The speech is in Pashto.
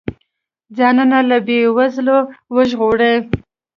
ځانونه له بې وزلۍ وژغوري.